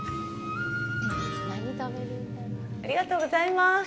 ありがとうございます。